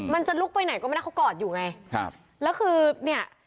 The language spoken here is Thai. มันจะลุกไปไหนก็ไม่ได้เขากอดอยู่ไงครับแล้วคือเนี่ย